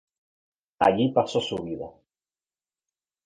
Allí pasó su vida.